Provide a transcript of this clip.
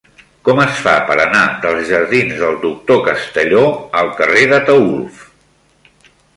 Com es fa per anar dels jardins del Doctor Castelló al carrer d'Ataülf?